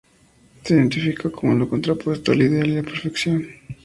Se identifica con lo contrapuesto al ideal y la perfección.